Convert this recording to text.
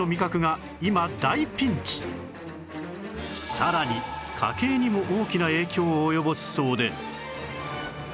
さらに家計にも大きな影響を及ぼすそうで